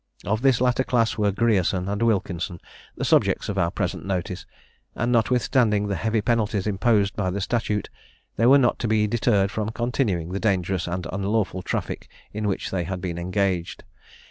Of this latter class were Grierson and Wilkinson, the subjects of our present notice; and notwithstanding the heavy penalties imposed by the statute, they were not to be deterred from continuing the dangerous and unlawful traffic in which they had been engaged.